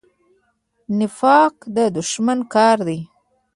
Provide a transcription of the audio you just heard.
نفاق د دښمن کار دی